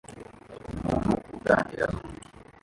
Umuntu uganira nundi